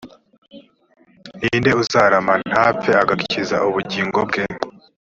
ni nde uzarama ntapfe agakiza ubugingo bwe